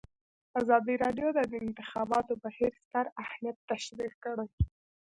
ازادي راډیو د د انتخاباتو بهیر ستر اهميت تشریح کړی.